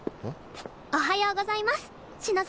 おはようございます篠崎